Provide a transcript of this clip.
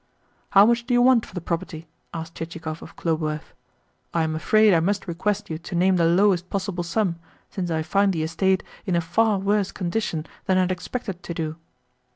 "How much do you want for the property?" asked Chichikov of Khlobuev. "I am afraid I must request you to name the lowest possible sum, since I find the estate in a far worse condition than I had expected to do."